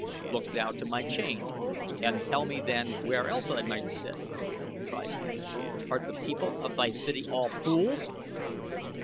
"Look thou to my chain and tell me then where else might I sit!" cried Ghek. "Art the people of thy city all fools?"